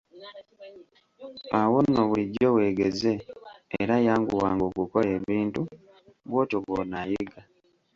Awo nno bulijjo weegeze, era yanguwanga okukola ebintu, bw'otyo bw'onaayiga.